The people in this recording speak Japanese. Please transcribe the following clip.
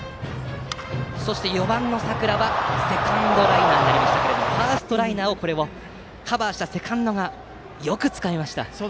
そして４番の佐倉はセカンドライナーになりましたがファーストライナーをカバーしたセカンドがよくつかみました。